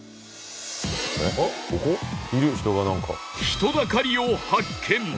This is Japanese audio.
人だかりを発見